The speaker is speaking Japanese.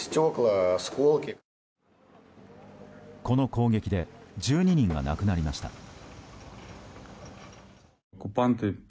この攻撃で１２人が亡くなりました。